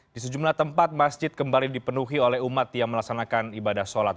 di sejumlah tempat masjid kembali dipenuhi oleh umat yang melaksanakan ibadah sholat